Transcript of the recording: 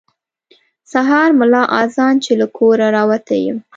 سهار ملا اذان چې له کوره راوتی یم.